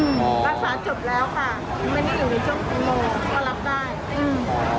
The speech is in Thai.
หลังอ่างของปั๊บมีแมลงก้าวนม